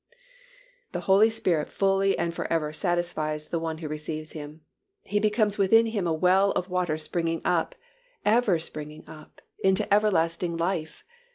The Holy Spirit fully and forever satisfies the one who receives Him. He becomes within him a well of water springing up, ever springing up, into everlasting life.